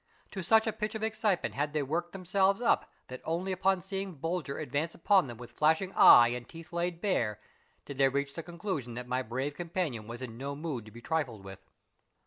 To such a pitch of excitement had they worked themselves up that only upon seeing Bulger advance upon them with flashing eye and teeth laid bare, did they reach the conclusion that my brave companion was in no mood to be trifled with.